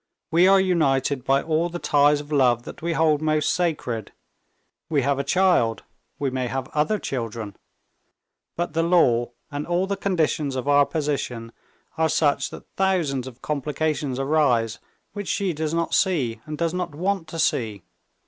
We are united by all the ties of love that we hold most sacred. We have a child, we may have other children. But the law and all the conditions of our position are such that thousands of complications arise which she does not see and does not want to see.